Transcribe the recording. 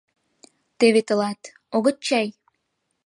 Теве тылат “огыт чай”.